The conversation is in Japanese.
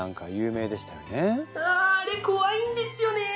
ああれ怖いんですよね！